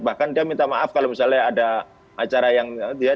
bahkan dia minta maaf kalau misalnya ada acara yang dia